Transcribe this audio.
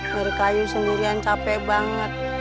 biar kayu sendirian capek banget